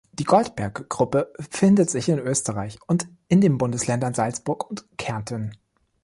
Die Goldberggruppe befindet sich in Österreich in den Bundesländern Salzburg und Kärnten.